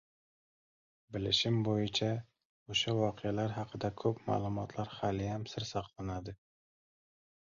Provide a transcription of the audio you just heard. Bilishim bo‘yicha, o‘sha voqealar haqida ko‘p ma’lumotlar haliyam sir saqlanadi.